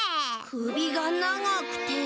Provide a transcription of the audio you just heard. くびがながくて。